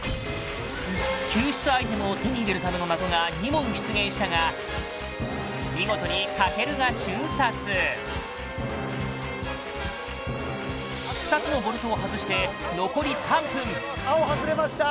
救出アイテムを手に入れるための謎が２問出現したが見事に健が瞬殺２つのボルトを外して残り３分青外れました